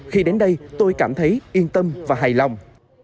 khi đến đây tôi cảm thấy yên tâm và hài lòng